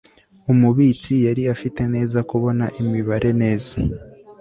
umubitsi yari afite neza kubona imibare neza